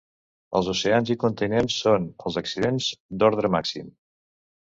Els oceans i continents són els accidents d'ordre màxim.